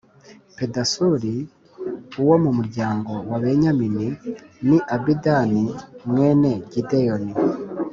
Pedasuri uwo mu muryango wa Benyamini ni Abidani mwene Gideyoni